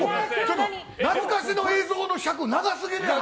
懐かしの映像の尺長すぎるやろ！